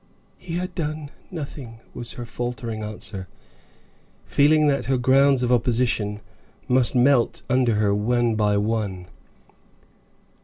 "He had done nothing," was her faltering answer, feeling that her grounds of opposition must melt under her one by one.